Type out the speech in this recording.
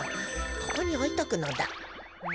☎ここにおいとくのだ。